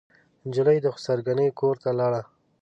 نجلۍ د خسر ګنې کورته لاړه.